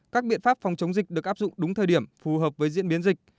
các biện pháp phòng chống dịch được áp dụng đúng thời điểm phù hợp với diễn biến dịch